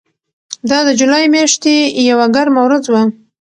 دا د جولای میاشتې یوه ګرمه ورځ وه.